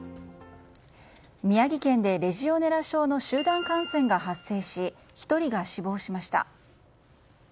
宮城県でレジオネラ症の集団感染が発生し１人が死亡しました。